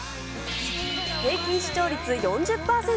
平均視聴率４０％！